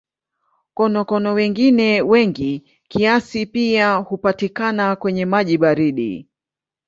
Konokono wengine wengi kiasi pia hupatikana kwenye maji baridi.